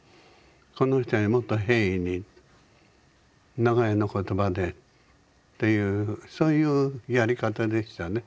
この人にはもっと平易に長屋の言葉でっていうそういうやり方でしたね。